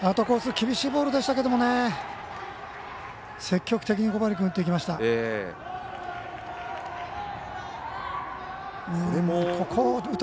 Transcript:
厳しいボールでしたけど積極的に小針君打ってきました。